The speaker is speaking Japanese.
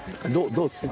どうですか？